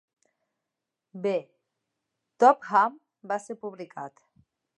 B. Topham va ser publicat.